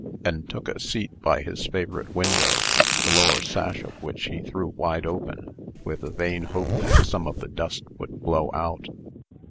and took a seat by his favorite window, the lower sash of which he threw wide open, with the vain hope that some of the dust would blow out.